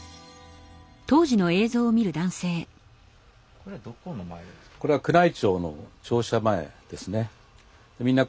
これはどこの前ですか？